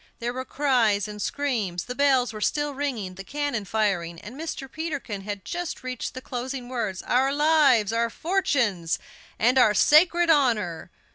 There were cries and screams. The bells were still ringing, the cannon firing, and Mr. Peterkin had just reached the closing words: "Our lives, our fortunes, and our sacred honor."